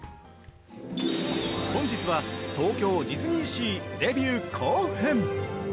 ◆本日は東京ディズニーシーデビュー後編！